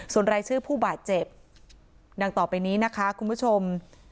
ส่วนรายชื่อผู้บาดเจ็บดังต่อไปนี้นะคะคุณผู้ชม